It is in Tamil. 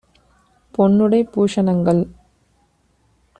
பொன்னுடை பூஷ ணங்கள்